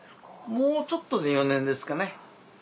もうちょっとで４年ですかね。